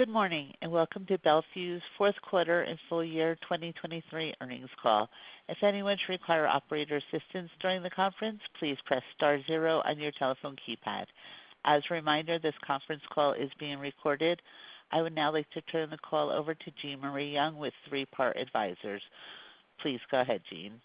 Good morning and welcome to Bel Fuse fourth quarter and full year 2023 earnings call. If anyone should require operator assistance during the conference, please press star zero on your telephone keypad. As a reminder, this conference call is being recorded. I would now like to turn the call over to Jean Marie Young with Three Part Advisors. Please go ahead, Jean.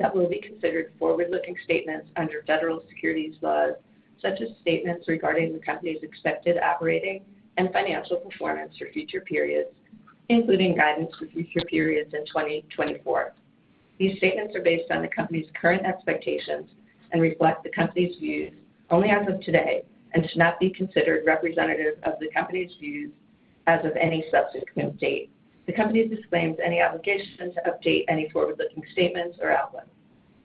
That will be considered forward-looking statements under federal securities laws, such as statements regarding the company's expected operating and financial performance for future periods, including guidance for future periods in 2024. These statements are based on the company's current expectations and reflect the company's views only as of today and should not be considered representative of the company's views as of any subsequent date. The company disclaims any obligation to update any forward-looking statements or outlook.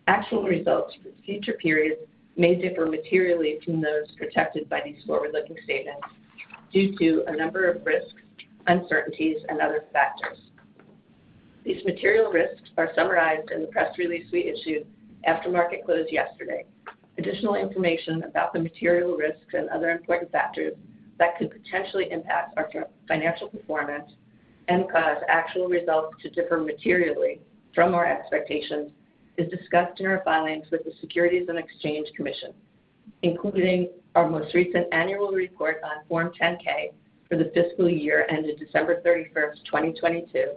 Actual results for future periods may differ materially from those projected by these forward-looking statements due to a number of risks, uncertainties, and other factors. These material risks are summarized in the press release we issued after market close yesterday. Additional information about the material risks and other important factors that could potentially impact our financial performance and cause actual results to differ materially from our expectations is discussed in our filings with the Securities and Exchange Commission, including our most recent annual report on Form 10-K for the fiscal year ended December 31st, 2022,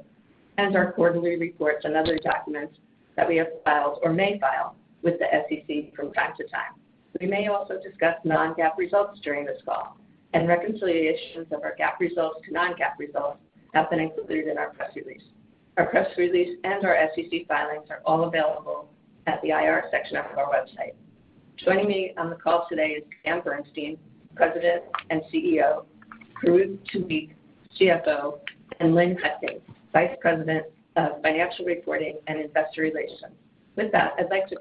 and our quarterly reports and other documents that we have filed or may file with the SEC from time to time. We may also discuss non-GAAP results during this call, and reconciliations of our GAAP results to non-GAAP results have been included in our press release. Our press release and our SEC filings are all available at the IR section of our website. Joining me on the call today is Dan Bernstein, President and CEO, Farouq Tuweiq, CFO, and Lynn Hutkin, Vice President of Financial Reporting and Investor Relations. With that, I'd like to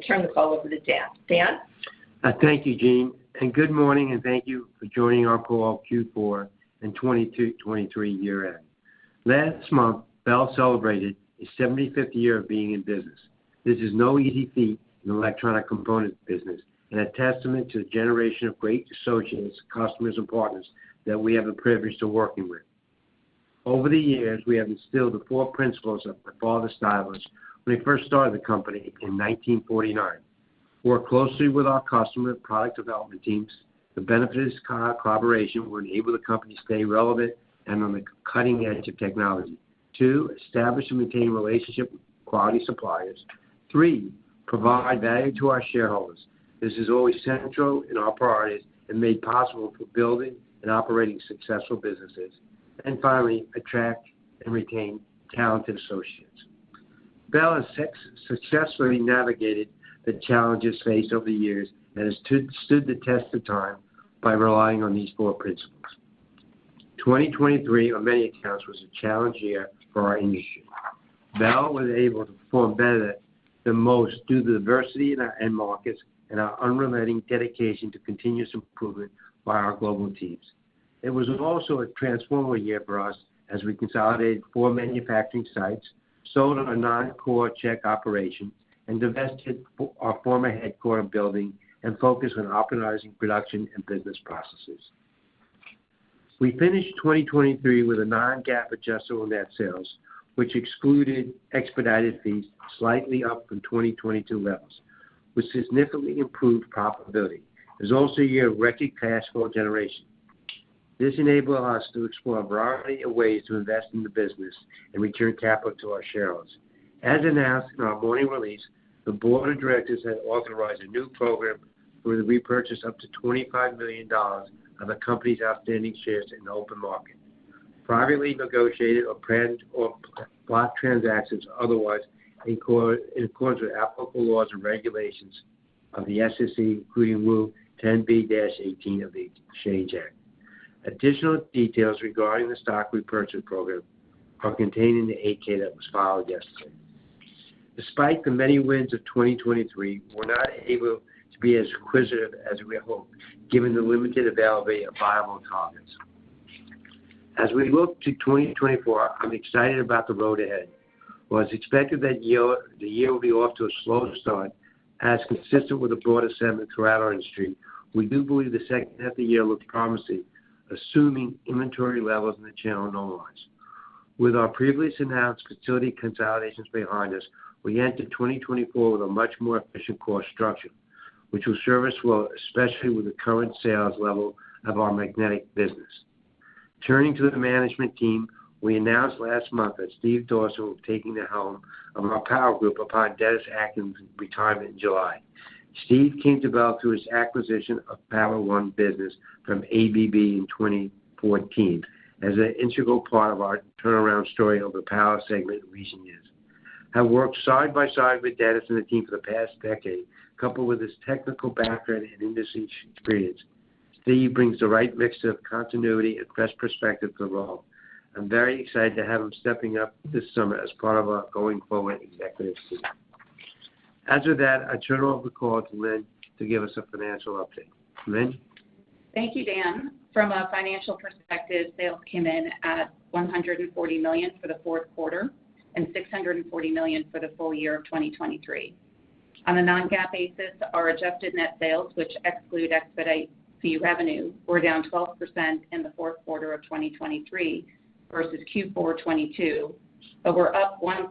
turn the call over to Dan. Dan? Thank you, Jean. Good morning, and thank you for joining our call Q4 and 2023 year-end. Last month, Bel celebrated its 75th year of being in business. This is no easy feat in the electronic components business and a testament to the generation of great associates, customers, and partners that we have the privilege of working with. Over the years, we have instilled the four principles of my father's style when he first started the company in 1949. Work closely with our customer product development teams. The benefit is collaboration. We enable the company to stay relevant and on the cutting edge of technology. Two, establish and maintain relationships with quality suppliers. Three, provide value to our shareholders. This is always central in our priorities and made possible for building and operating successful businesses. And finally, attract and retain talented associates. Bel has successfully navigated the challenges faced over the years and has stood the test of time by relying on these four principles. 2023, on many accounts, was a challenging year for our industry. Bel was able to perform better than most due to the diversity in our end markets and our unrelenting dedication to continuous improvement by our global teams. It was also a transformative year for us as we consolidated four manufacturing sites, sold our non-core Czech operation, and divested our former headquarters building and focused on optimizing production and business processes. We finished 2023 with a non-GAAP adjusted net sales, which excluded expedited fees, slightly up from 2022 levels, which significantly improved profitability. It was also a year of record cash flow generation. This enabled us to explore a variety of ways to invest in the business and return capital to our shareholders. As announced in our morning release, the board of directors had authorized a new program for the repurchase of up to $25 million of the company's outstanding shares in the open market, privately negotiated or block transactions otherwise in accordance with applicable laws and regulations of the SEC, including Rule 10b-18 of the Exchange Act. Additional details regarding the stock repurchase program are contained in the 8-K that was filed yesterday. Despite the many wins of 2023, we're not able to be as acquisitive as we hoped, given the limited availability of viable targets. As we look to 2024, I'm excited about the road ahead. While it's expected that the year will be off to a slow start, as consistent with the broader sentiment throughout our industry, we do believe the second half of the year looks promising, assuming inventory levels in the channel normalize. With our previously announced facility consolidations behind us, we enter 2024 with a much more efficient cost structure, which will serve us well, especially with the current sales level of our magnetic business. Turning to the management team, we announced last month that Steve Dawson was taking the helm of our power group upon Dennis Atkins' retirement in July. Steve came to Bel through his acquisition of Power-One Business from ABB in 2014 as an integral part of our turnaround story over the power segment in recent years. I've worked side by side with Dennis and the team for the past decade, coupled with his technical background and industry experience. Steve brings the right mix of continuity and fresh perspective to the role. I'm very excited to have him stepping up this summer as part of our going-forward executive team. And with that, I turn over the call to Lynn to give us a financial update. Lynn? Thank you, Dan. From a financial perspective, sales came in at $140 million for the fourth quarter and $640 million for the full year of 2023. On a non-GAAP basis, our adjusted net sales, which exclude expedited revenue, were down 12% in the fourth quarter of 2023 versus Q4 2022, but we're up 1%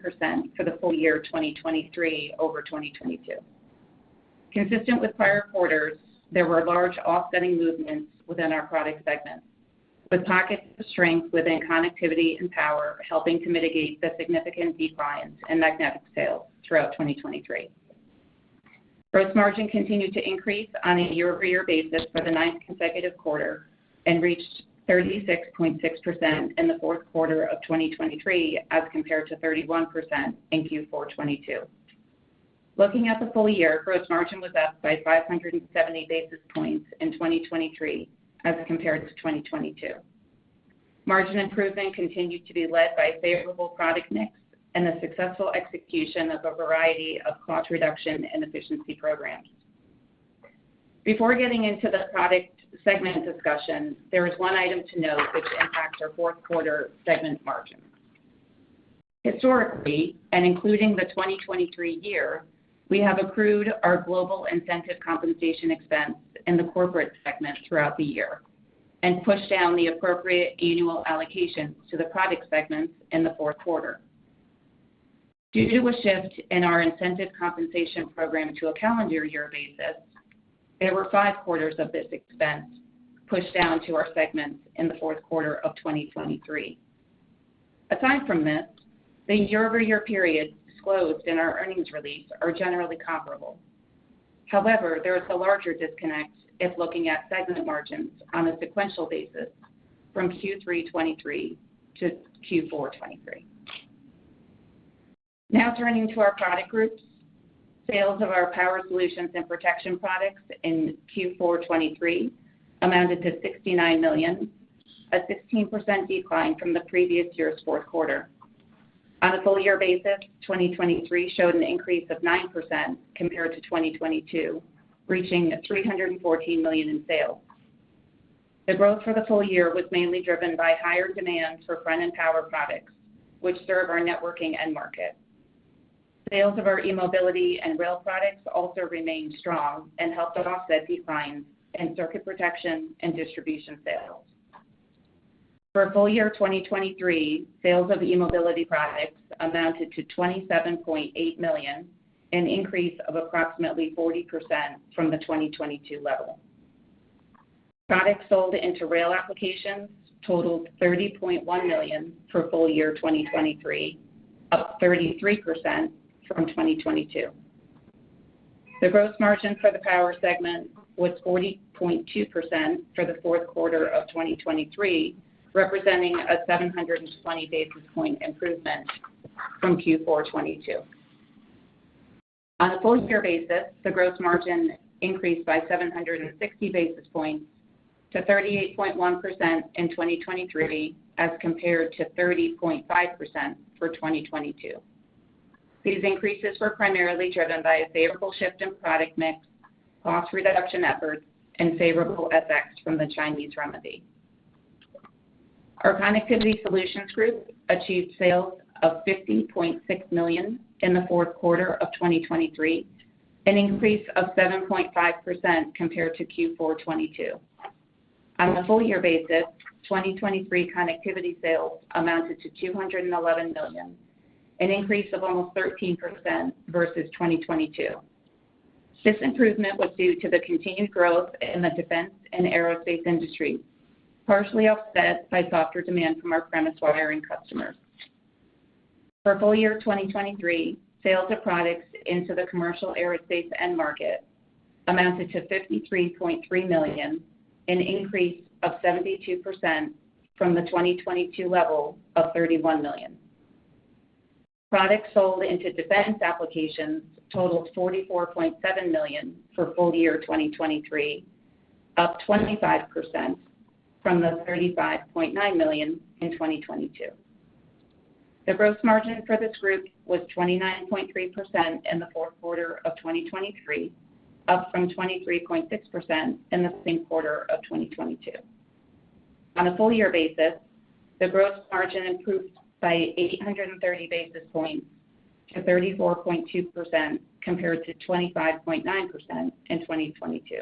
for the full year 2023 over 2022. Consistent with prior quarters, there were large offsetting movements within our product segments, with pockets of strength within connectivity and power helping to mitigate the significant declines in magnetic sales throughout 2023. Gross margin continued to increase on a year-over-year basis for the ninth consecutive quarter and reached 36.6% in the fourth quarter of 2023 as compared to 31% in Q4 2022. Looking at the full year, gross margin was up by 570 basis points in 2023 as compared to 2022. Margin improvement continued to be led by favorable product mix and the successful execution of a variety of cost reduction and efficiency programs. Before getting into the product segment discussion, there is one item to note which impacts our fourth quarter segment margins. Historically, and including the 2023 year, we have accrued our global incentive compensation expense in the corporate segment throughout the year and pushed down the appropriate annual allocation to the product segments in the fourth quarter. Due to a shift in our incentive compensation program to a calendar year basis, there were five quarters of this expense pushed down to our segments in the fourth quarter of 2023. Aside from this, the year-over-year periods disclosed in our earnings release are generally comparable. However, there is a larger disconnect if looking at segment margins on a sequential basis from Q3 2023 to Q4 2023. Now turning to our product groups, sales of our power solutions and protection products in Q4 2023 amounted to $69 million, a 16% decline from the previous year's fourth quarter. On a full year basis, 2023 showed an increase of 9% compared to 2022, reaching $314 million in sales. The growth for the full year was mainly driven by higher demand for front-end power products, which serve our networking end market. Sales of our e-mobility and rail products also remained strong and helped offset declines in circuit protection and distribution sales. For full year 2023, sales of e-mobility products amounted to $27.8 million, an increase of approximately 40% from the 2022 level. Products sold into rail applications totaled $30.1 million for full year 2023, up 33% from 2022. The gross margin for the power segment was 40.2% for the fourth quarter of 2023, representing a 720 basis point improvement from Q4 2022. On a full year basis, the gross margin increased by 760 basis points to 38.1% in 2023 as compared to 30.5% for 2022. These increases were primarily driven by a favorable shift in product mix, cost reduction efforts, and favorable effects from the Chinese Renminbi. Our connectivity solutions group achieved sales of $50.6 million in the fourth quarter of 2023, an increase of 7.5% compared to Q4 2022. On a full year basis, 2023 connectivity sales amounted to $211 million, an increase of almost 13% versus 2022. This improvement was due to the continued growth in the defense and aerospace industry, partially offset by softer demand from our premise wiring customers. For full year 2023, sales of products into the commercial aerospace end market amounted to $53.3 million, an increase of 72% from the 2022 level of $31 million. Products sold into defense applications totaled $44.7 million for full year 2023, up 25% from the $35.9 million in 2022. The gross margin for this group was 29.3% in the fourth quarter of 2023, up from 23.6% in the same quarter of 2022. On a full year basis, the gross margin improved by 830 basis points to 34.2% compared to 25.9% in 2022.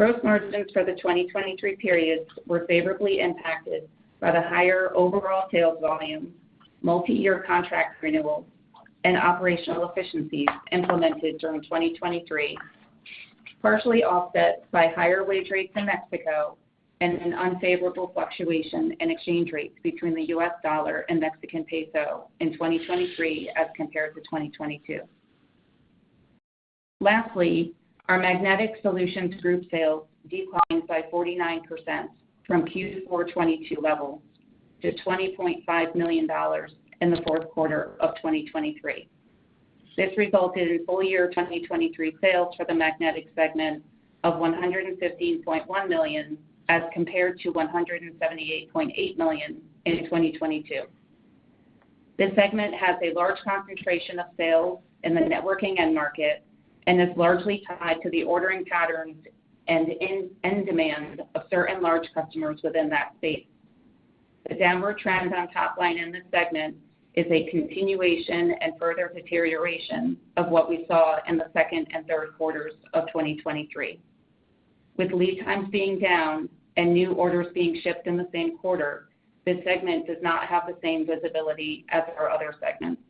Gross margins for the 2023 periods were favorably impacted by the higher overall sales volume, multi-year contract renewals, and operational efficiencies implemented during 2023, partially offset by higher wage rates in Mexico and an unfavorable fluctuation in exchange rates between the U.S. dollar and Mexican peso in 2023 as compared to 2022. Lastly, our Magnetic Solutions group sales declined by 49% from Q4 2022 levels to $20.5 million in the fourth quarter of 2023. This resulted in full year 2023 sales for the Magnetic segment of $115.1 million as compared to $178.8 million in 2022. This segment has a large concentration of sales in the networking end market and is largely tied to the ordering patterns and demand of certain large customers within that state. The downward trend on top line in this segment is a continuation and further deterioration of what we saw in the second and third quarters of 2023. With lead times being down and new orders being shipped in the same quarter, this segment does not have the same visibility as our other segments.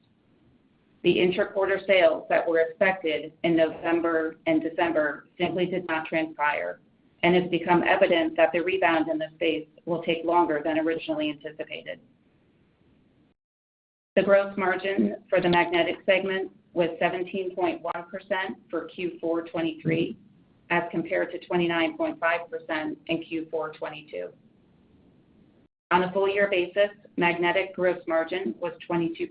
The intra-quarter sales that were expected in November and December simply did not transpire, and it's become evident that the rebound in this space will take longer than originally anticipated. The gross margin for the magnetic segment was 17.1% for Q4 2023 as compared to 29.5% in Q4 2022. On a full year basis, magnetic gross margin was 22%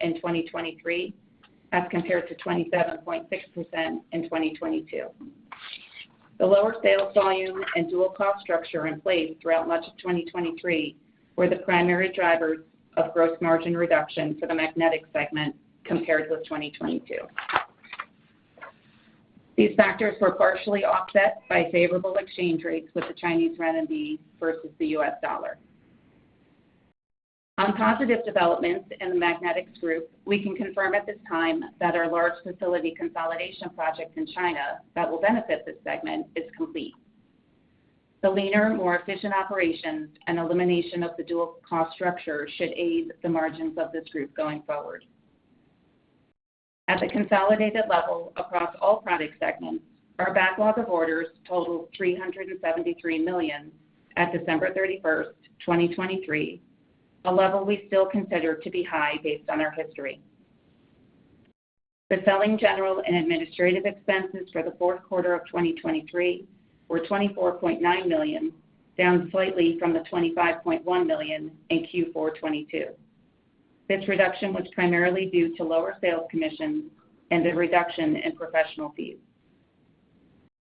in 2023 as compared to 27.6% in 2022. The lower sales volume and dual cost structure in place throughout much of 2023 were the primary drivers of gross margin reduction for the magnetic segment compared with 2022. These factors were partially offset by favorable exchange rates with the Chinese Renminbi versus the U.S. dollar. On positive developments in the magnetics group, we can confirm at this time that our large facility consolidation project in China that will benefit this segment is complete. The leaner, more efficient operations and elimination of the dual cost structure should aid the margins of this group going forward. At the consolidated level across all product segments, our backlog of orders totaled 373 million at December 31st, 2023, a level we still consider to be high based on our history. The selling, general, and administrative expenses for the fourth quarter of 2023 were $24.9 million, down slightly from the $25.1 million in Q4 2022. This reduction was primarily due to lower sales commissions and the reduction in professional fees.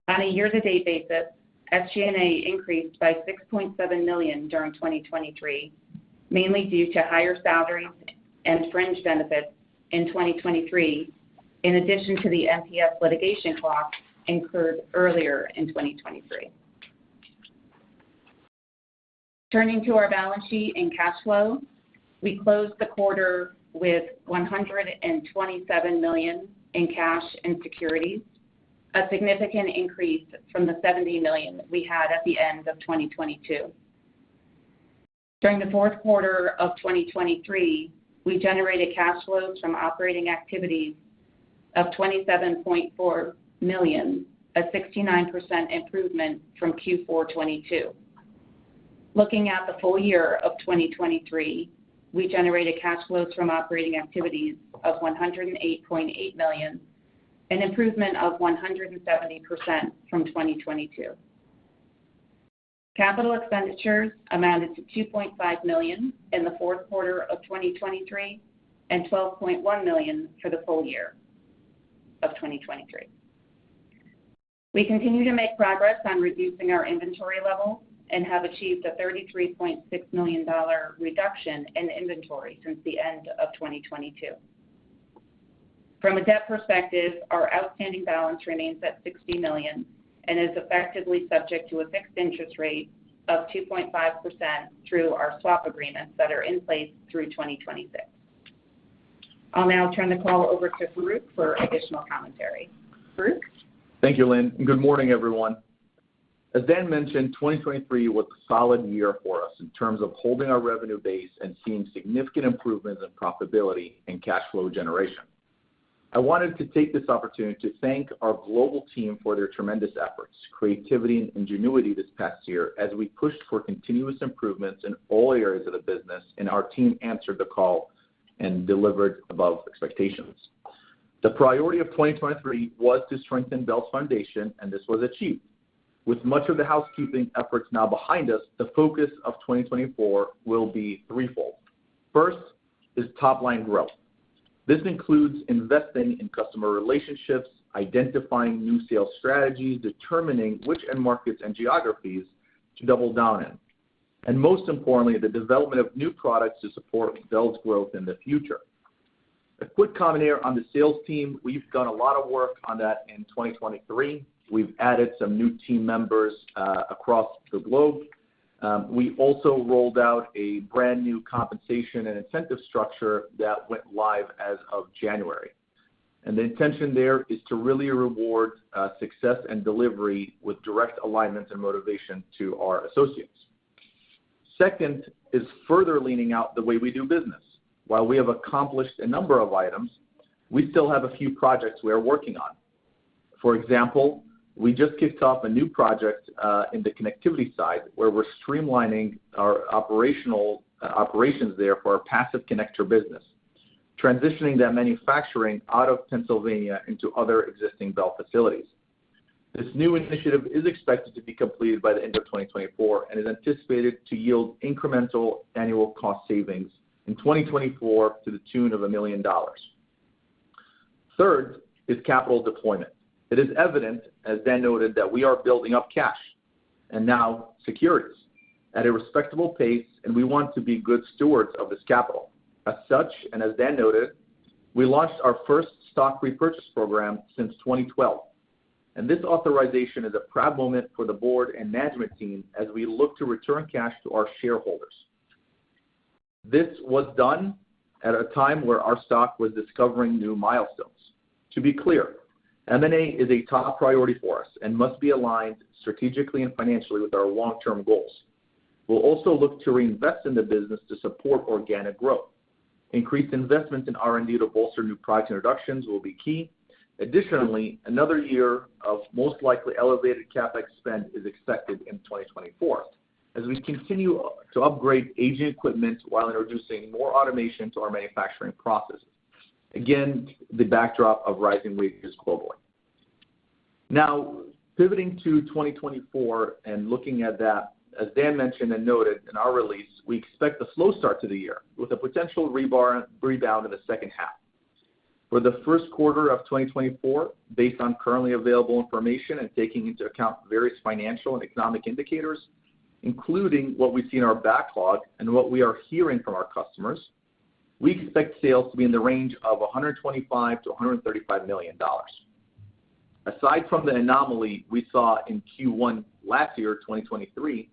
On a year-to-date basis, SG&A increased by $6.7 million during 2023, mainly due to higher salaries and fringe benefits in 2023, in addition to the MPS litigation costs incurred earlier in 2023. Turning to our balance sheet and cash flow, we closed the quarter with $127 million in cash and securities, a significant increase from the $70 million we had at the end of 2022. During the fourth quarter of 2023, we generated cash flows from operating activities of $27.4 million, a 69% improvement from Q4 2022. Looking at the full year of 2023, we generated cash flows from operating activities of $108.8 million, an improvement of 170% from 2022. Capital expenditures amounted to $2.5 million in the fourth quarter of 2023 and $12.1 million for the full year of 2023. We continue to make progress on reducing our inventory level and have achieved a $33.6 million reduction in inventory since the end of 2022. From a debt perspective, our outstanding balance remains at $60 million and is effectively subject to a fixed interest rate of 2.5% through our swap agreements that are in place through 2026. I'll now turn the call over to Farouq for additional commentary. Farouq? Thank you, Lynn. Good morning, everyone. As Dan mentioned, 2023 was a solid year for us in terms of holding our revenue base and seeing significant improvements in profitability and cash flow generation. I wanted to take this opportunity to thank our global team for their tremendous efforts, creativity, and ingenuity this past year as we pushed for continuous improvements in all areas of the business, and our team answered the call and delivered above expectations. The priority of 2023 was to strengthen Bel's foundation, and this was achieved. With much of the housekeeping efforts now behind us, the focus of 2024 will be threefold. First is top line growth. This includes investing in customer relationships, identifying new sales strategies, determining which end markets and geographies to double down in, and most importantly, the development of new products to support Bel's growth in the future. A quick comment here on the sales team. We've done a lot of work on that in 2023. We've added some new team members across the globe. We also rolled out a brand new compensation and incentive structure that went live as of January. And the intention there is to really reward success and delivery with direct alignment and motivation to our associates. Second is further leaning out the way we do business. While we have accomplished a number of items, we still have a few projects we are working on. For example, we just kicked off a new project in the connectivity side where we're streamlining our operations there for our passive connector business, transitioning that manufacturing out of Pennsylvania into other existing Bel facilities. This new initiative is expected to be completed by the end of 2024 and is anticipated to yield incremental annual cost savings in 2024 to the tune of $1 million. Third is capital deployment. It is evident, as Dan noted, that we are building up cash and now securities at a respectable pace, and we want to be good stewards of this capital. As such, and as Dan noted, we launched our first stock repurchase program since 2012. And this authorization is a proud moment for the board and management team as we look to return cash to our shareholders. This was done at a time where our stock was discovering new milestones. To be clear, M&A is a top priority for us and must be aligned strategically and financially with our long-term goals. We'll also look to reinvest in the business to support organic growth. Increased investments in R&D to bolster new product introductions will be key. Additionally, another year of most likely elevated CapEx spend is expected in 2024 as we continue to upgrade aging equipment while introducing more automation to our manufacturing processes. Again, the backdrop of rising wages globally. Now, pivoting to 2024 and looking at that, as Dan mentioned and noted in our release, we expect a slow start to the year with a potential rebound in the second half. For the first quarter of 2024, based on currently available information and taking into account various financial and economic indicators, including what we see in our backlog and what we are hearing from our customers, we expect sales to be in the range of $125 million-$135 million. Aside from the anomaly we saw in Q1 last year, 2023,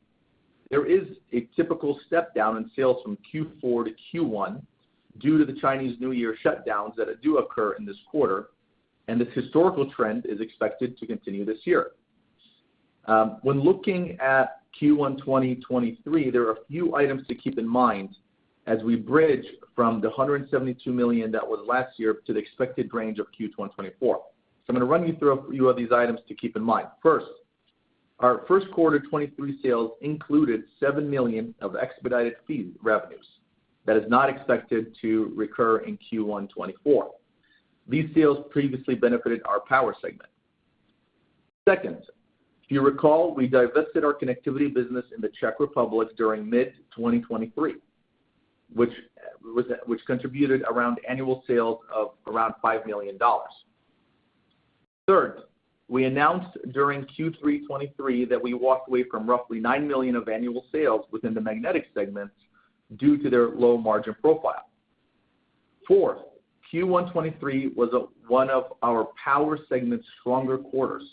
there is a typical step down in sales from Q4 to Q1 due to the Chinese New Year shutdowns that do occur in this quarter, and this historical trend is expected to continue this year. When looking at Q1 2023, there are a few items to keep in mind as we bridge from the $172 million that was last year to the expected range of Q2 2024. I'm going to run you through a few of these items to keep in mind. First, our first quarter 2023 sales included $7 million of expedited fees revenues that is not expected to recur in Q1 2024. These sales previously benefited our power segment. Second, if you recall, we divested our connectivity business in the Czech Republic during mid-2023, which contributed around annual sales of around $5 million. Third, we announced during Q3 2023 that we walked away from roughly $9 million of annual sales within the magnetic segments due to their low margin profile. Fourth, Q1 2023 was one of our power segment's strongest quarters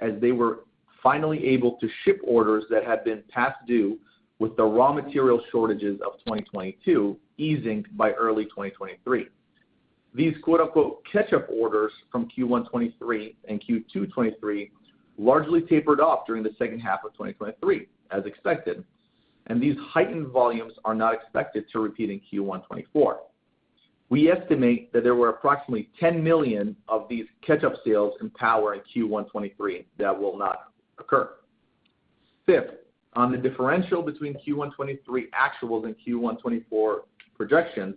as they were finally able to ship orders that had been past due with the raw material shortages of 2022 easing by early 2023. These "catch-up orders" from Q1 2023 and Q2 2023 largely tapered off during the second half of 2023, as expected, and these heightened volumes are not expected to repeat in Q1 2024. We estimate that there were approximately $10 million of these catch-up sales in power in Q1 2023 that will not occur. Fifth, on the differential between Q1 2023 actuals and Q1 2024 projections,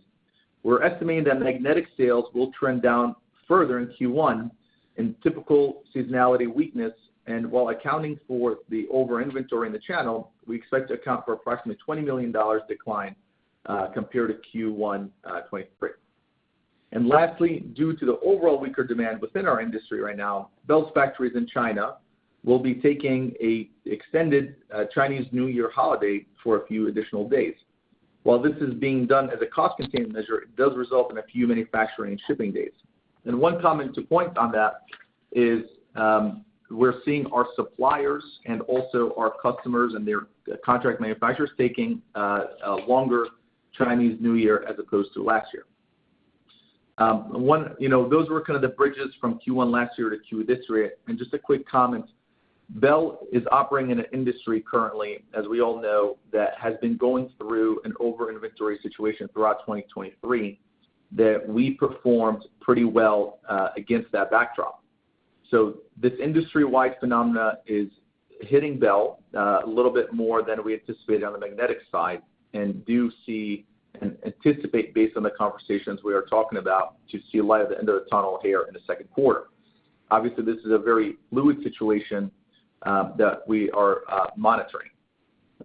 we're estimating that magnetic sales will trend down further in Q1 in typical seasonality weakness, and while accounting for the over-inventory in the channel, we expect to account for approximately $20 million decline compared to Q1 2023. And lastly, due to the overall weaker demand within our industry right now, Bel's factories in China will be taking an extended Chinese New Year holiday for a few additional days. While this is being done as a cost-containing measure, it does result in a few manufacturing and shipping days. And one comment to point on that is we're seeing our suppliers and also our customers and their contract manufacturers taking a longer Chinese New Year as opposed to last year. Those were kind of the bridges from Q1 last year to Q this year. Just a quick comment, Bel is operating in an industry currently, as we all know, that has been going through an over-inventory situation throughout 2023 that we performed pretty well against that backdrop. So this industry-wide phenomena is hitting Bel a little bit more than we anticipated on the magnetic side and do see and anticipate, based on the conversations we are talking about, to see light at the end of the tunnel here in the second quarter. Obviously, this is a very fluid situation that we are monitoring.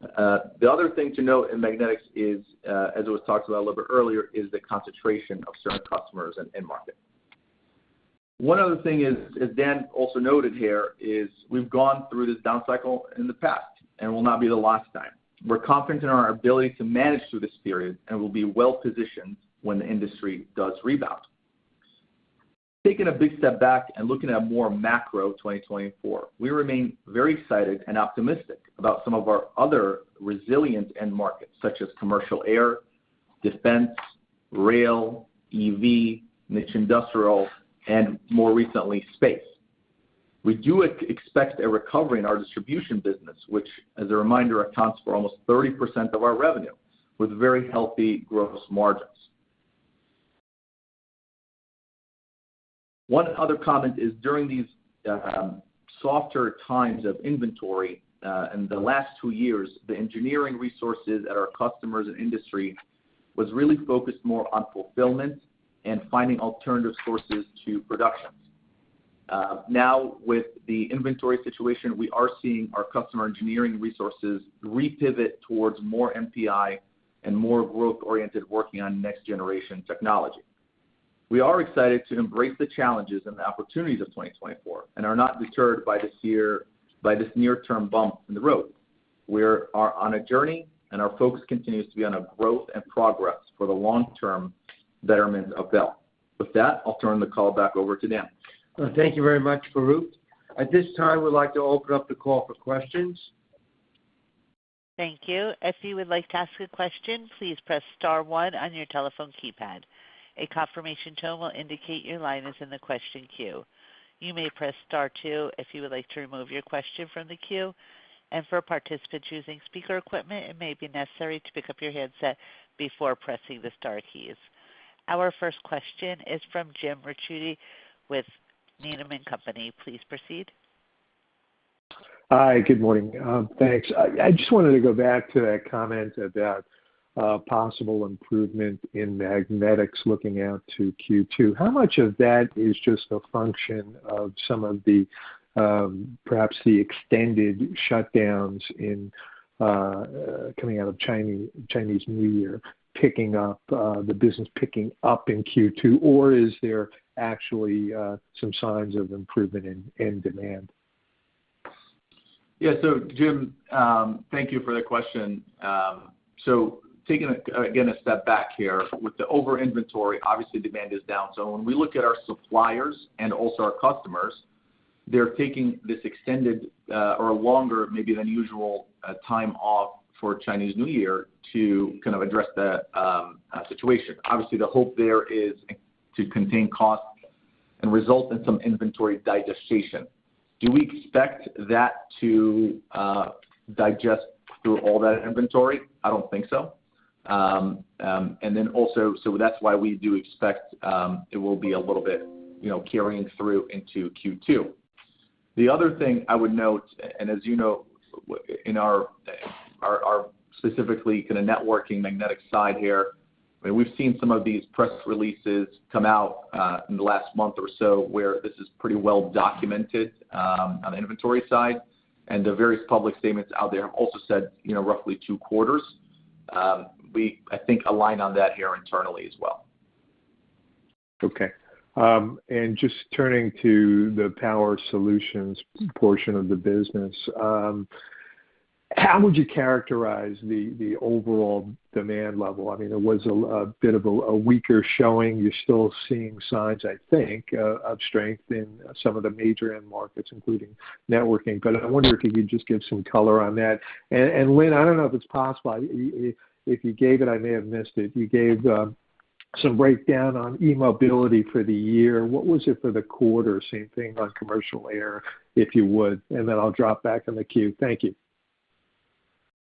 The other thing to note in magnetics is, as it was talked about a little bit earlier, is the concentration of certain customers and end market. One other thing, as Dan also noted here, is we've gone through this downcycle in the past, and it will not be the last time. We're confident in our ability to manage through this period, and we'll be well-positioned when the industry does rebound. Taking a big step back and looking at more macro 2024, we remain very excited and optimistic about some of our other resilient end markets, such as commercial air, defense, rail, EV, niche industrial, and more recently, space. We do expect a recovery in our distribution business, which, as a reminder, accounts for almost 30% of our revenue with very healthy gross margins. One other comment is during these softer times of inventory in the last two years, the engineering resources at our customers and industry were really focused more on fulfillment and finding alternative sources to production. Now, with the inventory situation, we are seeing our customer engineering resources repivot towards more NPI and more growth-oriented, working on next-generation technology. We are excited to embrace the challenges and the opportunities of 2024 and are not deterred by this near-term bump in the road. We are on a journey, and our focus continues to be on growth and progress for the long-term betterment of Bel. With that, I'll turn the call back over to Dan. Thank you very much, Farouq. At this time, we'd like to open up the call for questions. Thank you. If you would like to ask a question, please press star one on your telephone keypad. A confirmation tone will indicate your line is in the question queue. You may press star two if you would like to remove your question from the queue. And for participants using speaker equipment, it may be necessary to pick up your headset before pressing the star keys. Our first question is from Jim Ricchiuti with Needham & Company. Please proceed. Hi. Good morning. Thanks. I just wanted to go back to that comment about possible improvement in magnetics looking out to Q2. How much of that is just a function of some of the perhaps the extended shutdowns coming out of Chinese New Year picking up the business picking up in Q2, or is there actually some signs of improvement in demand? Yeah. So, Jim, thank you for the question. So taking, again, a step back here, with the over-inventory, obviously, demand is down. So when we look at our suppliers and also our customers, they're taking this extended or longer, maybe than usual, time off for Chinese New Year to kind of address the situation. Obviously, the hope there is to contain costs and result in some inventory digestion. Do we expect that to digest through all that inventory? I don't think so. And then also, so that's why we do expect it will be a little bit carrying through into Q2. The other thing I would note, and as you know, in our specifically kind of networking magnetic side here, I mean, we've seen some of these press releases come out in the last month or so where this is pretty well documented on the inventory side, and the various public statements out there have also said roughly two quarters. We, I think, align on that here internally as well. Okay. And just turning to the power solutions portion of the business, how would you characterize the overall demand level? I mean, it was a bit of a weaker showing. You're still seeing signs, I think, of strength in some of the major end markets, including networking. But I wonder if you could just give some color on that. And Lynn, I don't know if it's possible. If you gave it, I may have missed it. You gave some breakdown on e-mobility for the year. What was it for the quarter? Same thing on commercial air, if you would. And then I'll drop back in the queue. Thank you.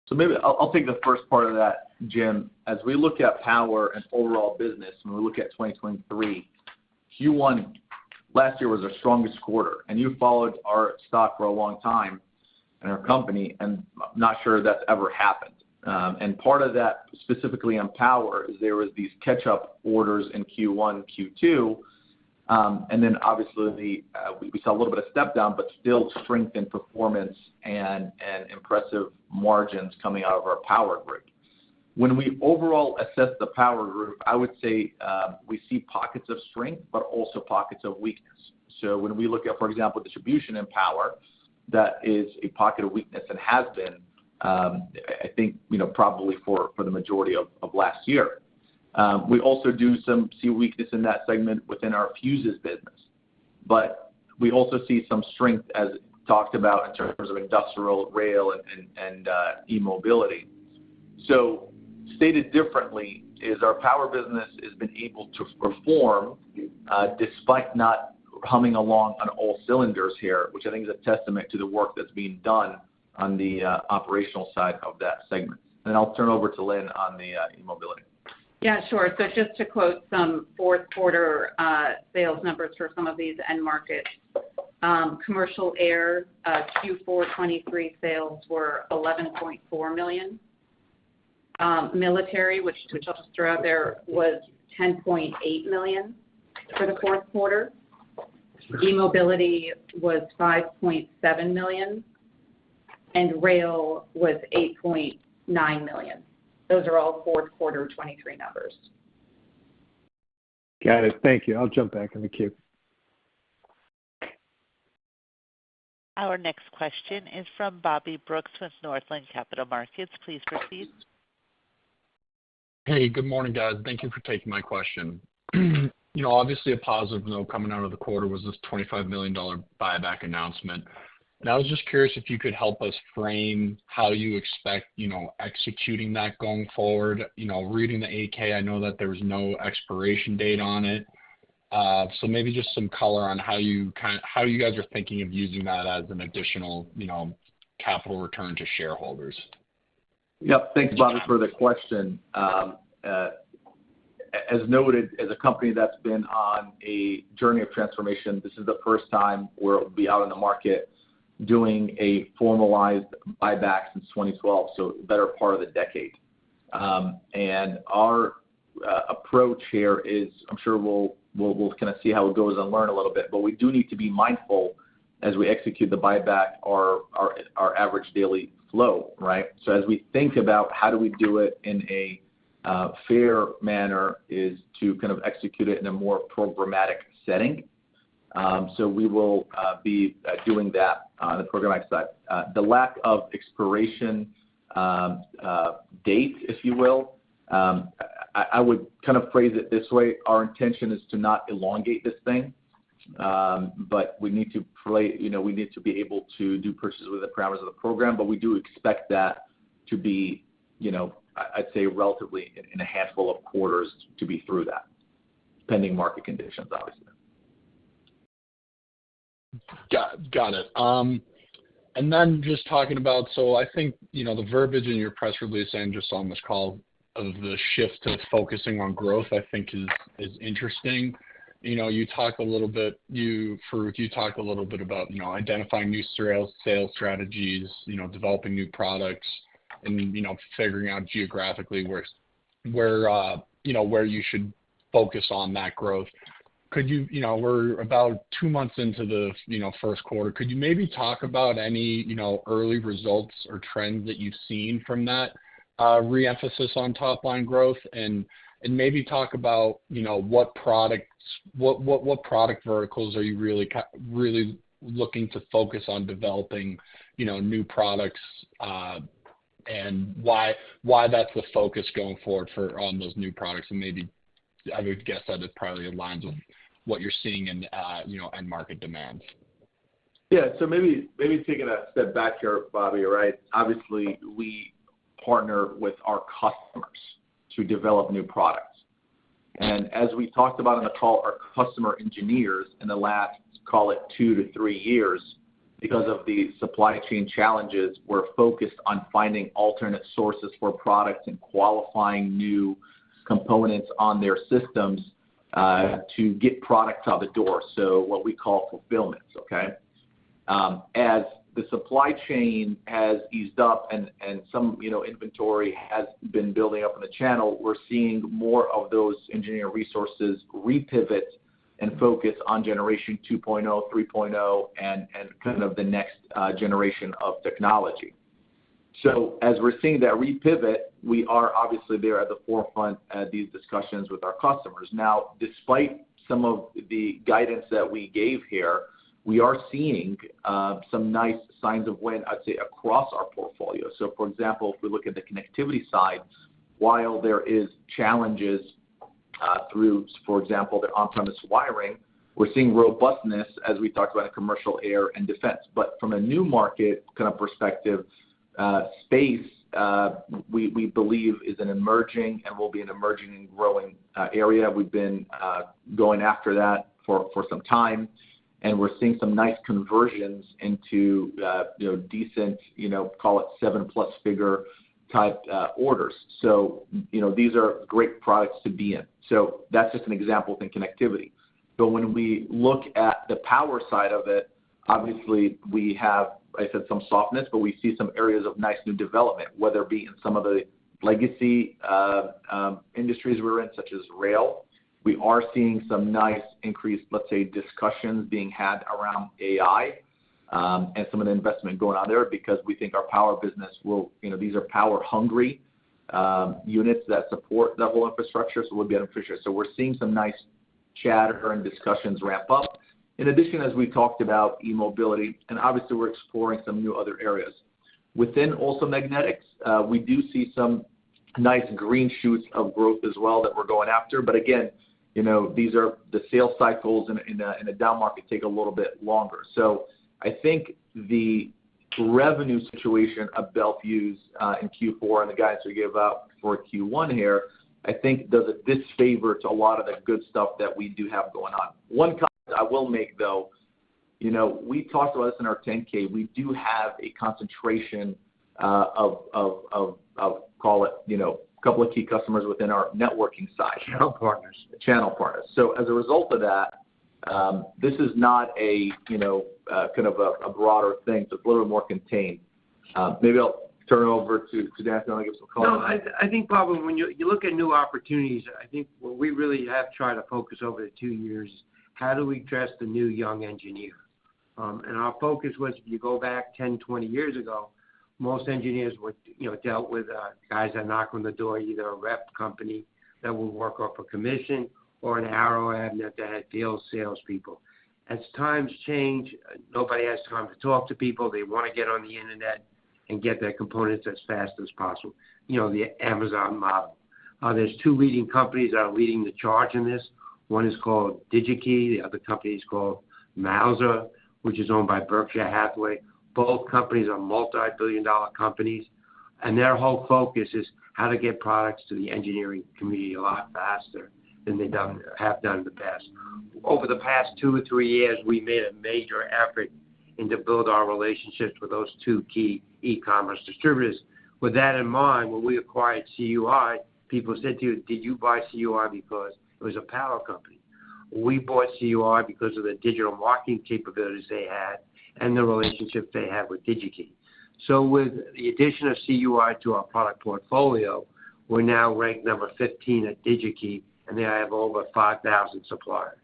So maybe I'll take the first part of that, Jim. As we look at power and overall business, when we look at 2023, Q1 last year was our strongest quarter. You followed our stock for a long time and our company, and I'm not sure that's ever happened. Part of that, specifically on power, is there were these catch-up orders in Q1, Q2. Then, obviously, we saw a little bit of stepdown but still strength in performance and impressive margins coming out of our power group. When we overall assess the power group, I would say we see pockets of strength but also pockets of weakness. So when we look at, for example, distribution in power, that is a pocket of weakness and has been, I think, probably for the majority of last year. We also do see weakness in that segment within our fuses business. But we also see some strength, as talked about, in terms of industrial, rail, and e-mobility. So stated differently, our power business has been able to perform despite not humming along on all cylinders here, which I think is a testament to the work that's being done on the operational side of that segment. And then I'll turn over to Lynn on the e-mobility. Yeah. Sure. So just to quote some fourth-quarter sales numbers for some of these end markets, commercial air, Q4 2023 sales were $11.4 million. Military, which I'll just throw out there, was $10.8 million for the fourth quarter. E-mobility was $5.7 million. And rail was $8.9 million. Those are all fourth quarter 2023 numbers. Got it. Thank you. I'll jump back in the queue. Our next question is from Bobby Brooks with Northland Capital Markets. Please proceed. Hey. Good morning, guys. Thank you for taking my question. Obviously, a positive note coming out of the quarter was this $25 million buyback announcement. And I was just curious if you could help us frame how you expect executing that going forward, reading the 8-K. I know that there was no expiration date on it. So maybe just some color on how you guys are thinking of using that as an additional capital return to shareholders. Yep. Thanks, Bobby, for the question. As noted, as a company that's been on a journey of transformation, this is the first time where it'll be out in the market doing a formalized buyback since 2012, so better part of the decade. Our approach here is I'm sure we'll kind of see how it goes and learn a little bit, but we do need to be mindful as we execute the buyback, our average daily flow, right? So as we think about how do we do it in a fair manner is to kind of execute it in a more programmatic setting. So we will be doing that on the programmatic side. The lack of expiration date, if you will, I would kind of phrase it this way: our intention is to not elongate this thing, but we need to be able to do purchases within the parameters of the program. But we do expect that to be, I'd say, relatively in a handful of quarters to be through that, pending market conditions, obviously. Got it. And then just talking about so I think the verbiage in your press release, and I just saw on this call, of the shift to focusing on growth, I think, is interesting. You talked a little bit, Farouq, you talked a little bit about identifying new sales strategies, developing new products, and figuring out geographically where you should focus on that growth. We're about two months into the first quarter. Could you maybe talk about any early results or trends that you've seen from that re-emphasis on top-line growth and maybe talk about what product verticals are you really looking to focus on developing new products and why that's the focus going forward on those new products? And maybe I would guess that it probably aligns with what you're seeing in end-market demand. Yeah. So maybe taking a step back here, Bobby, right? Obviously, we partner with our customers to develop new products. As we talked about in the call, our customer engineers in the last, call it, two to three years, because of the supply chain challenges, were focused on finding alternate sources for products and qualifying new components on their systems to get products out the door, so what we call fulfillments, okay? As the supply chain has eased up and some inventory has been building up in the channel, we're seeing more of those engineering resources repivot and focus on generation 2.0, 3.0, and kind of the next generation of technology. As we're seeing that repivot, we are, obviously, there at the forefront at these discussions with our customers. Now, despite some of the guidance that we gave here, we are seeing some nice signs of wind, I'd say, across our portfolio. So, for example, if we look at the connectivity side, while there are challenges through, for example, the on-premise wiring, we're seeing robustness, as we talked about, in commercial air and defense. But from a new market kind of perspective, space, we believe, is an emerging and will be an emerging and growing area. We've been going after that for some time, and we're seeing some nice conversions into decent, call it, 7+-figure type orders. So these are great products to be in. So that's just an example in connectivity. But when we look at the power side of it, obviously, we have, like I said, some softness, but we see some areas of nice new development, whether it be in some of the legacy industries we're in, such as rail. We are seeing some nice increased, let's say, discussions being had around AI and some of the investment going on there because we think our power business will—these are power-hungry units that support the whole infrastructure, so it will be beneficial. So we're seeing some nice chatter and discussions ramp up. In addition, as we talked about e-mobility, and obviously, we're exploring some new other areas. Within also magnetics, we do see some nice green shoots of growth as well that we're going after. But again, these are the sales cycles in a down market take a little bit longer. So I think the revenue situation of Bel Fuse in Q4 and the guidance we gave out for Q1 here, I think, does a disfavor to a lot of the good stuff that we do have going on. One comment I will make, though, we talked about this in our 10-K. We do have a concentration of, call it, a couple of key customers within our networking side. Channel partners. Channel partners. So as a result of that, this is not kind of a broader thing. It's a little bit more contained. Maybe I'll turn over to Dan and I'll give some calls. No. I think, Bobby, when you look at new opportunities, I think what we really have tried to focus over the two years is how do we dress the new young engineer? Our focus was, if you go back 10, 20 years ago, most engineers were dealt with guys that knock on the door, either a rep company that would work off a commission or an Arrow/Avnet that had deal salespeople. As times change, nobody has time to talk to people. They want to get on the internet and get their components as fast as possible, the Amazon model. There's two leading companies that are leading the charge in this. One is called Digi-Key. The other company is called Mouser, which is owned by Berkshire Hathaway. Both companies are multi-billion-dollar companies, and their whole focus is how to get products to the engineering community a lot faster than they have done in the past. Over the past two or three years, we made a major effort into building our relationships with those two key e-commerce distributors. With that in mind, when we acquired CUI, people said to you, "Did you buy CUI because it was a power company?" We bought CUI because of the digital marketing capabilities they had and the relationship they had with Digi-Key. So with the addition of CUI to our product portfolio, we're now ranked number 15 at Digi-Key, and they have over 5,000 suppliers.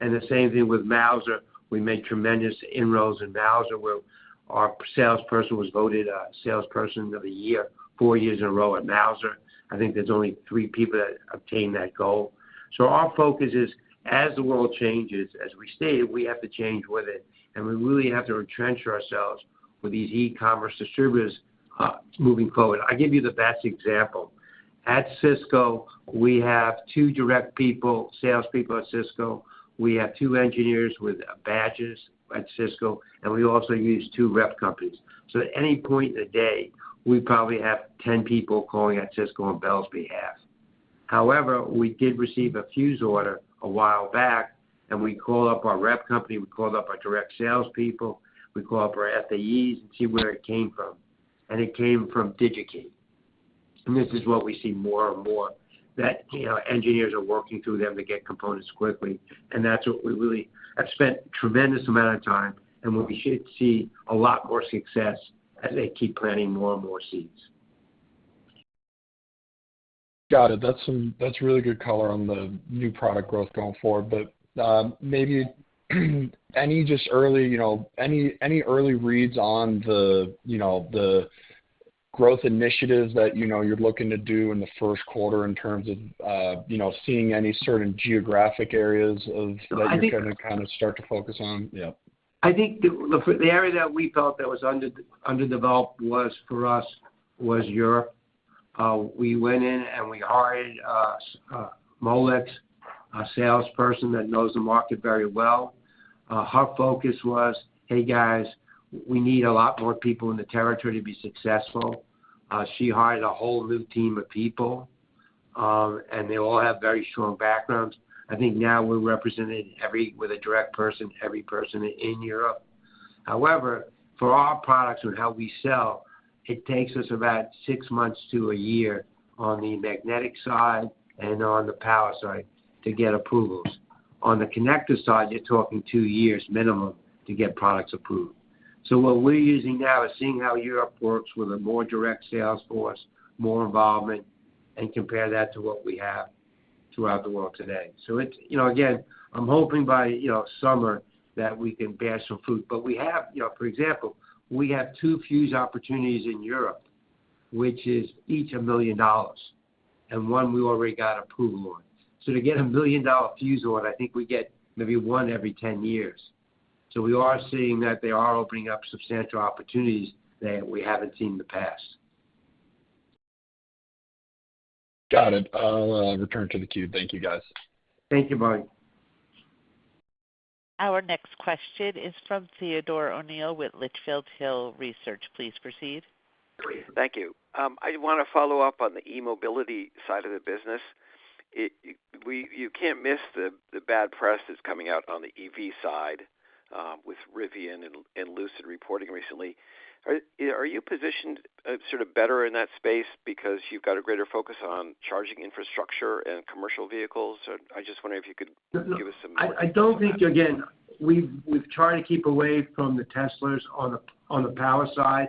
And the same thing with Mouser. We made tremendous inroads in Mouser where our salesperson was voted salesperson of the year, four years in a row at Mouser. I think there's only three people that obtained that goal. Our focus is, as the world changes, as we stated, we have to change with it, and we really have to entrench ourselves with these e-commerce distributors moving forward. I'll give you the best example. At Cisco, we have two direct people, salespeople at Cisco. We have two engineers with badges at Cisco, and we also use two rep companies. So at any point in the day, we probably have 10 people calling at Cisco on Bel's behalf. However, we did receive a fuse order a while back, and we called up our rep company. We called up our direct salespeople. We called up our FAEs and see where it came from. And it came from Digi-Key. And this is what we see more and more, that engineers are working through them to get components quickly. That's what we really have spent a tremendous amount of time, and what we should see a lot more success as they keep planting more and more seeds. Got it. That's really good color on the new product growth going forward. But maybe any just early reads on the growth initiatives that you're looking to do in the first quarter in terms of seeing any certain geographic areas that you're going to kind of start to focus on? Yep. I think the area that we felt that was underdeveloped for us was Europe. We went in, and we hired Molex, a salesperson that knows the market very well. Her focus was, "Hey, guys, we need a lot more people in the territory to be successful." She hired a whole new team of people, and they all have very strong backgrounds. I think now we're represented with a direct person, every person in Europe. However, for our products and how we sell, it takes us about six months to a year on the magnetic side and on the power side to get approvals. On the connector side, you're talking two years minimum to get products approved. So what we're using now is seeing how Europe works with a more direct salesforce, more involvement, and compare that to what we have throughout the world today. So again, I'm hoping by summer that we can bear some fruit. But for example, we have two fuse opportunities in Europe, which is each $1 million and one we already got approval on. So to get a $1 million fuse order, I think we get maybe one every 10 years. So we are seeing that they are opening up substantial opportunities that we haven't seen in the past. Got it. I'll return to the queue. Thank you, guys. Thank you, Bobby. Our next question is from Theodore O'Neill with Litchfield Hills Research. Please proceed. Thank you. I want to follow up on the e-mobility side of the business. You can't miss the bad press that's coming out on the EV side with Rivian and Lucid reporting recently. Are you positioned sort of better in that space because you've got a greater focus on charging infrastructure and commercial vehicles? I just wonder if you could give us some more? I don't think again, we've tried to keep away from the Teslas on the power side.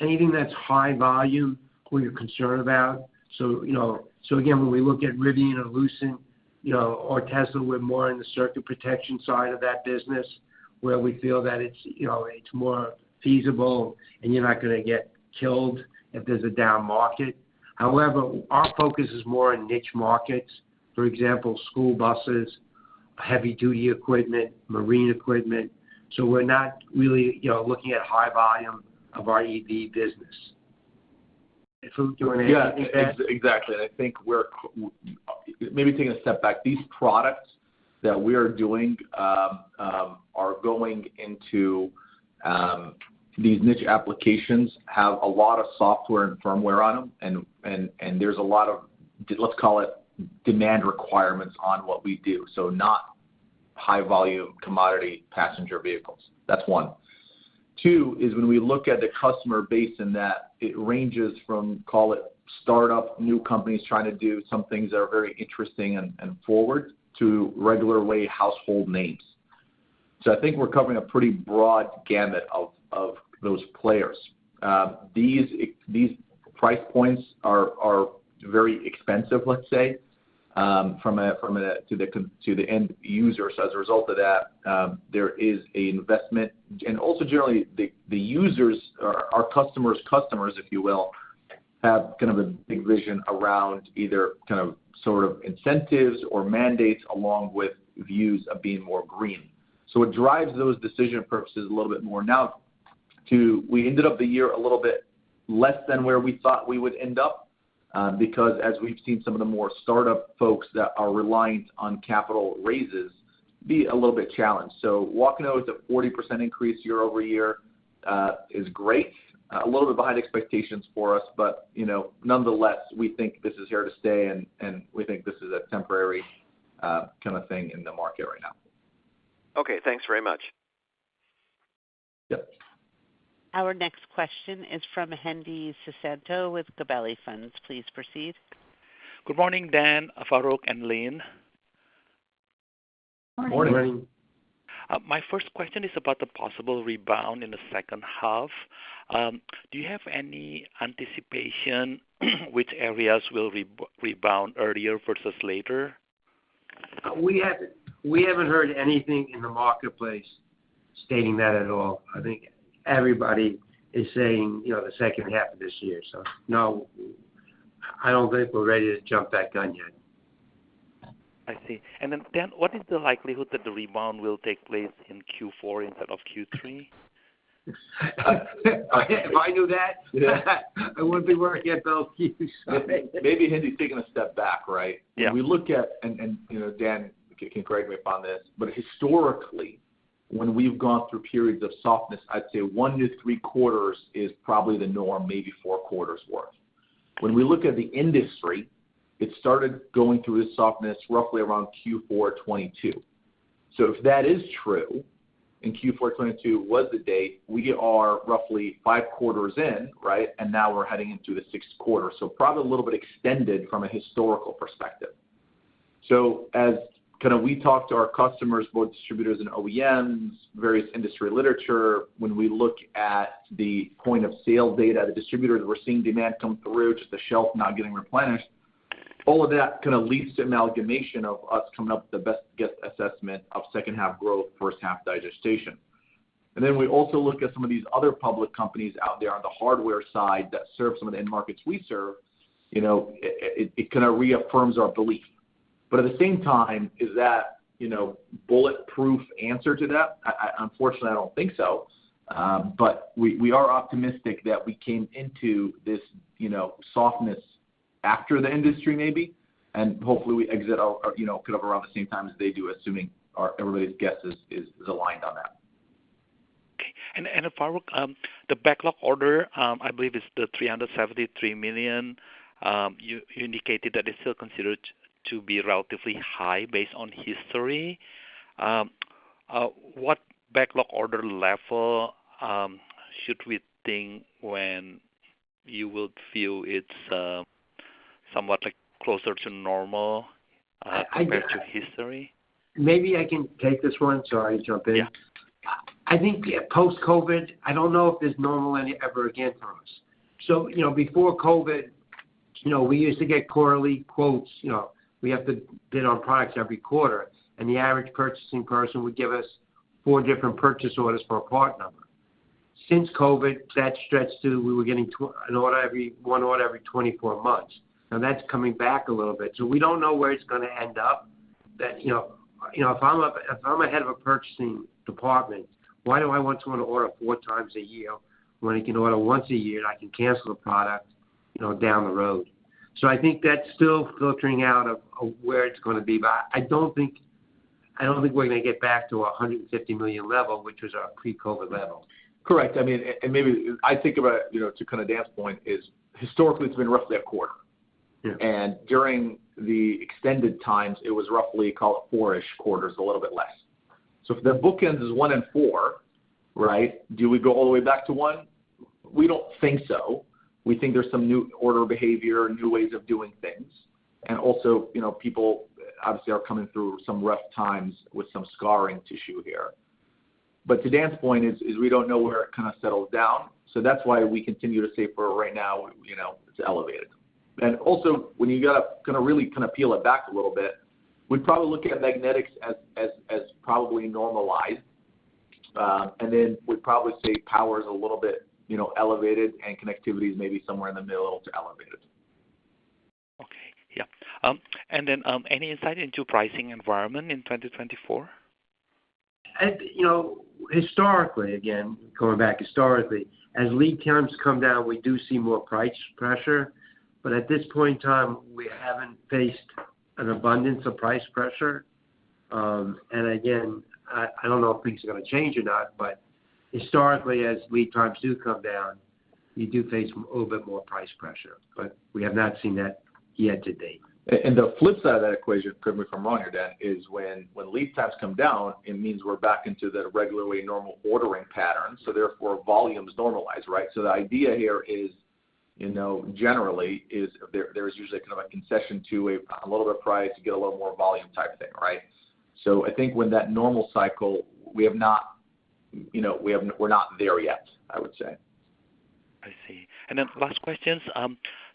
Anything that's high volume we're concerned about. So again, when we look at Rivian or Lucid or Tesla, we're more in the circuit protection side of that business where we feel that it's more feasible, and you're not going to get killed if there's a down market. However, our focus is more in niche markets, for example, school buses, heavy-duty equipment, marine equipment. So we're not really looking at high volume of our EV business. If we were doing anything like that. Yeah. Exactly. And I think we're maybe taking a step back. These products that we are doing are going into these niche applications, have a lot of software and firmware on them, and there's a lot of, let's call it, demand requirements on what we do, so not high-volume commodity passenger vehicles. That's one. Two is when we look at the customer base in that, it ranges from, call it, startup, new companies trying to do some things that are very interesting and forward to regular-way household names. So I think we're covering a pretty broad gamut of those players. These price points are very expensive, let's say, from the end user. So as a result of that, there is an investment. And also, generally, our customers' customers, if you will, have kind of a big vision around either kind of sort of incentives or mandates along with views of being more green. So what drives those decision purposes a little bit more now, we ended up the year a little bit less than where we thought we would end up because, as we've seen some of the more startup folks that are reliant on capital raises be a little bit challenged. So walking over to 40% increase year over year is great, a little bit behind expectations for us. But nonetheless, we think this is here to stay, and we think this is a temporary kind of thing in the market right now. Okay. Thanks very much. Yep. Our next question is from Hendi Susanto with Gabelli Funds. Please proceed. Good morning, Dan, Farouq, and Lynn. Morning. Morning. My first question is about the possible rebound in the second half. Do you have any anticipation which areas will rebound earlier versus later? We haven't heard anything in the marketplace stating that at all. I think everybody is saying the second half of this year. So no, I don't think we're ready to jump that gun yet. I see. And then, Dan, what is the likelihood that the rebound will take place in Q4 instead of Q3? If I knew that, I wouldn't be working at Bel Fuse, so. Maybe Hendi's taking a step back, right? And we look at and Dan can correct me upon this. But historically, when we've gone through periods of softness, I'd say one to three quarters is probably the norm, maybe four quarters' worth. When we look at the industry, it started going through this softness roughly around Q4 2022. So if that is true, and Q4 2022 was the date, we are roughly five quarters in, right? And now we're heading into the sixth quarter. So probably a little bit extended from a historical perspective. So as we kind of talk to our customers, both distributors and OEMs, various industry literature, when we look at the point-of-sale data, the distributors we're seeing demand come through, just the shelf not getting replenished, all of that kind of leads to amalgamation of us coming up with the best guess assessment of second-half growth, first-half digestion. And then we also look at some of these other public companies out there on the hardware side that serve some of the end markets we serve. It kind of reaffirms our belief. But at the same time, is that bulletproof answer to that? Unfortunately, I don't think so. But we are optimistic that we came into this softness after the industry, maybe, and hopefully, we exit kind of around the same time as they do, assuming everybody's guess is aligned on that. Okay. And Farouq, the backlog order, I believe it's the $373 million. You indicated that it's still considered to be relatively high based on history. What backlog order level should we think when you would feel it's somewhat closer to normal compared to history? Maybe I can take this one. Sorry to jump in. I think post-COVID, I don't know if there's normal ever again for us. So before COVID, we used to get quarterly quotes. We have to bid on products every quarter, and the average purchasing person would give us four different purchase orders for a part number. Since COVID, that stretched to we were getting one order every 24 months. Now, that's coming back a little bit. So we don't know where it's going to end up. But if I'm a head of a purchasing department, why do I want someone to order four times a year when I can order once a year, and I can cancel the product down the road? So I think that's still filtering out of where it's going to be. But I don't think we're going to get back to a $150 million level, which was our pre-COVID level. Correct. I mean, and maybe I think about it to kind of Dan's point is, historically, it's been roughly a quarter. And during the extended times, it was roughly, call it, four-ish quarters, a little bit less. So if the bookends is one and four, right, do we go all the way back to one? We don't think so. We think there's some new order behavior, new ways of doing things. And also, people obviously are coming through some rough times with some scarring tissue here. But to Dan's point is we don't know where it kind of settles down. So that's why we continue to say for right now, it's elevated. And also, when you got to kind of really kind of peel it back a little bit, we'd probably look at magnetics as probably normalized. And then we'd probably say power is a little bit elevated and connectivity is maybe somewhere in the middle to elevated. Okay. Yeah. And then any insight into pricing environment in 2024? Historically, again, going back historically, as lead times come down, we do see more price pressure. But at this point in time, we haven't faced an abundance of price pressure. And again, I don't know if things are going to change or not. But historically, as lead times do come down, you do face a little bit more price pressure. But we have not seen that yet to date. And the flip side of that equation, correct me if I'm wrong here, Dan, is when lead times come down, it means we're back into the regular-way normal ordering pattern. So therefore, volume's normalized, right? So the idea here is, generally, there's usually kind of a concession to a little bit of price to get a little more volume type thing, right? So I think when that normal cycle we're not there yet, I would say. I see. And then last questions.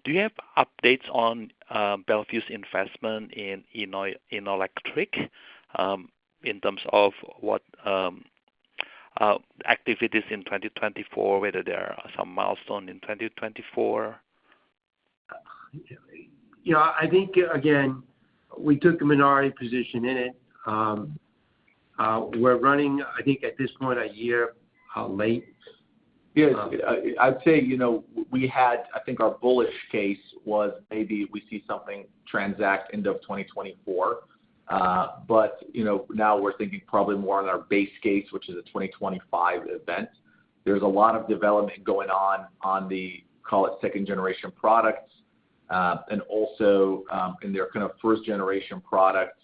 Do you have updates on Bel Fuse investment in innolectric in terms of what activities in 2024, whether there are some milestones in 2024? I think, again, we took a minority position in it. We're running, I think, at this point, a year late. Yeah. I'd say we had—I think our bullish case was maybe we see something transact end of 2024. But now, we're thinking probably more on our base case, which is a 2025 event. There's a lot of development going on on the, call it, second-generation products and also in their kind of first-generation products.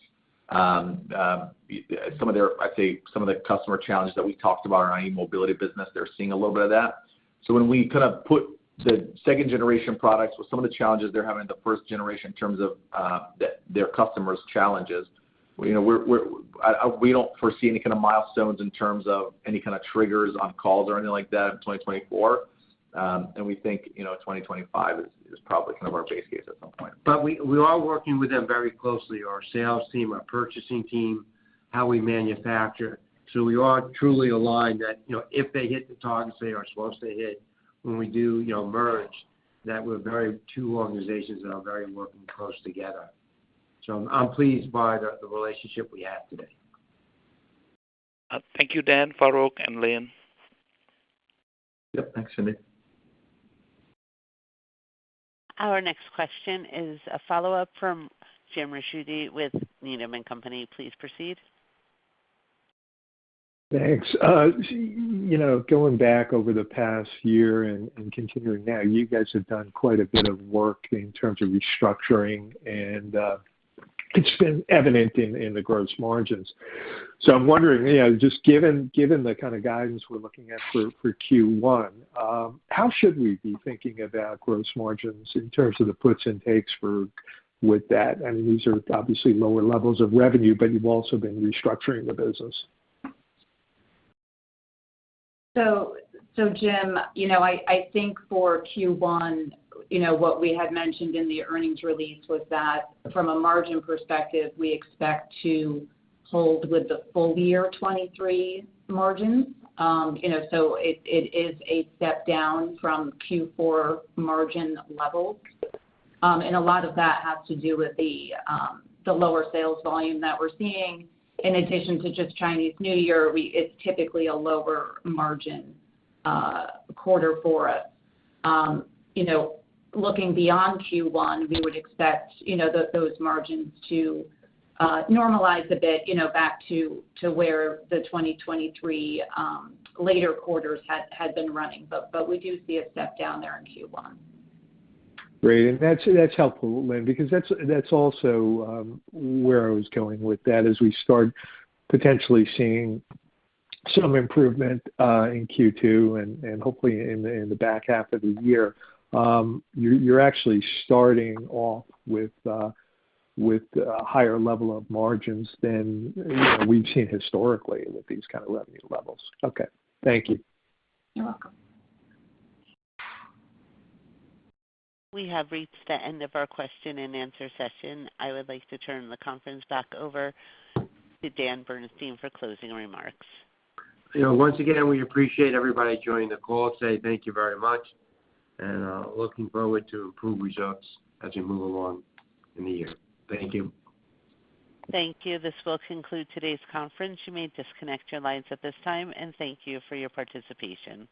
Some of their—I'd say some of the customer challenges that we talked about in our eMobility business, they're seeing a little bit of that. So when we kind of put the second-generation products with some of the challenges they're having in the first generation in terms of their customers' challenges, we don't foresee any kind of milestones in terms of any kind of triggers on calls or anything like that in 2024. And we think 2025 is probably kind of our base case at some point. But we are working with them very closely, our sales team, our purchasing team, how we manufacture. So we are truly aligned that if they hit the targets they are supposed to hit when we do merge, that we're two organizations that are very working close together. So I'm pleased by the relationship we have today. Thank you, Dan, Farouq, and Lynn. Yep. Thanks, Hendi. Our next question is a follow-up from Jim Ricchiuti with Needham & Company. Please proceed. Thanks. Going back over the past year and continuing now, you guys have done quite a bit of work in terms of restructuring. It's been evident in the gross margins. So I'm wondering, just given the kind of guidance we're looking at for Q1, how should we be thinking about gross margins in terms of the puts and takes with that? I mean, these are obviously lower levels of revenue, but you've also been restructuring the business. Jim, I think for Q1, what we had mentioned in the earnings release was that from a margin perspective, we expect to hold with the full-year 2023 margins. It is a step down from Q4 margin levels. A lot of that has to do with the lower sales volume that we're seeing. In addition to just Chinese New Year, it's typically a lower margin quarter for us. Looking beyond Q1, we would expect those margins to normalize a bit back to where the 2023 later quarters had been running. We do see a step down there in Q1. Great. And that's helpful, Lynn, because that's also where I was going with that, is we start potentially seeing some improvement in Q2 and hopefully in the back half of the year. You're actually starting off with a higher level of margins than we've seen historically with these kind of revenue levels. Okay. Thank you. You're welcome. We have reached the end of our question-and-answer session. I would like to turn the conference back over to Dan Bernstein for closing remarks. Once again, we appreciate everybody joining the call today. Thank you very much. Looking forward to improved results as we move along in the year. Thank you. Thank you. This will conclude today's conference. You may disconnect your lines at this time. Thank you for your participation.